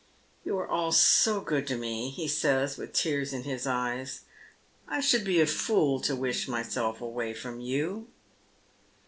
" You are all so good to me," he says, with tears in his eyes, " I should be a fool to wish myself away from you."